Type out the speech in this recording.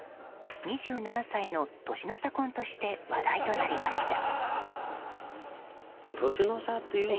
２７歳の年の差婚として話題となりました。